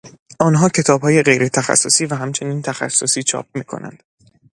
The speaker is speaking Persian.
آنها کتابهای غیرتخصصی و همچنین تخصصی چاپ میکنند.